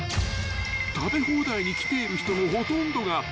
［食べ放題に来ている人のほとんどが］え？